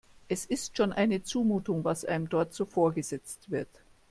Es ist schon eine Zumutung, was einem dort so vorgesetzt wird.